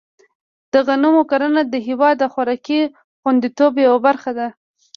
د غنمو کرنه د هېواد د خوراکي خوندیتوب یوه برخه ده.